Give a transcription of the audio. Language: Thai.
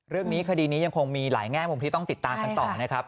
คดีนี้ยังคงมีหลายแง่มุมที่ต้องติดตามกันต่อนะครับ